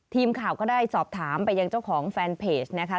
ทีมข่าวก็ได้สอบถามไปยังเจ้าของแฟนเพจนะคะ